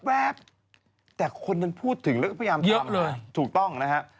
แป๊บแต่คนนั้นพูดถึงแล้วก็พยายามเยอะเลยถูกต้องนะฮะ